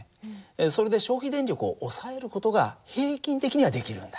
それで消費電力を抑える事が平均的にはできるんだ。